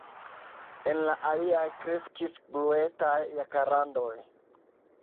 En la aliaj kreskis bluetaj jakarandoj.